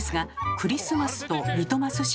「クリスマス」「リトマス紙」。